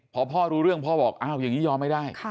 พอพ่อรู้เรื่องพ่อบอกอ้าวอย่างนี้ยอมไม่ได้